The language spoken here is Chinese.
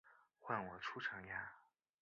换我出场呀！